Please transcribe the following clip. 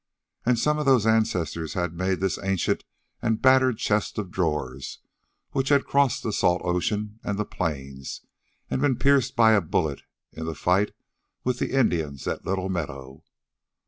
And some of those ancestors had made this ancient and battered chest of drawers which had crossed the salt ocean and the plains and been pierced by a bullet in the fight with the Indians at Little Meadow.